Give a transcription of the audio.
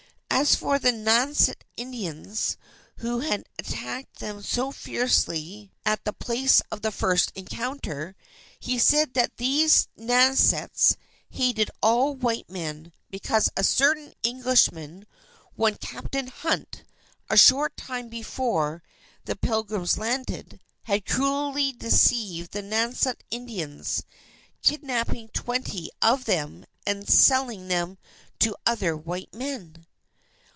As for the Nauset Indians, who had attacked them so fiercely at The Place of the First Encounter, he said that these Nausets hated all white men because a certain Englishman, one Captain Hunt, a short time before the Pilgrims landed, had cruelly deceived the Nauset Indians, kidnapping twenty of them, and selling them to other white men.